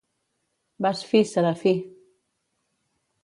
—Vas fi, Serafí!